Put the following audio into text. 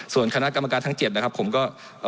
ส่วนคณะกรรมการทั้ง๗นะครับผมก็